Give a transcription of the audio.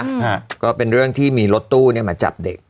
ฮะก็เป็นเรื่องที่มีรถตู้เนี้ยมาจับเด็ก